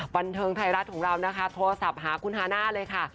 บันเทิงไทยรัฐของเรานะคะโทรศัพท์หาคุณฮาน่าเลยค่ะ